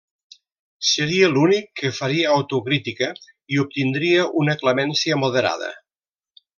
Seria l'únic que faria autocrítica i obtindria una clemència moderada.